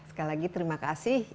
sekali lagi terima kasih